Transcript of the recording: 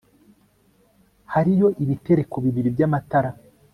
hariyo ibitereko bibiri by'amatara